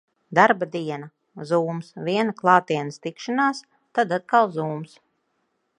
Darba diena. Zooms, viena klātienes tikšanās, tad atkal Zooms.